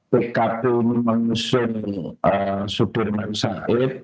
pkp ini mengusung sudirman usaid